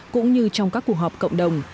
cũng như trong các cuộc họp cộng đồng